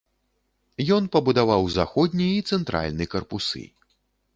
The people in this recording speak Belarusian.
Ён пабудаваў заходні і цэнтральны карпусы.